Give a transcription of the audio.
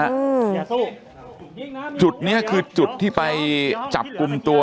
อย่าสู้จุดนี้คือจุดที่ไปจับกลุ่มตัว